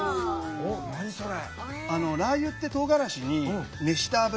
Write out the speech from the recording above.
何それ？